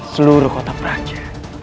seluruh kota praja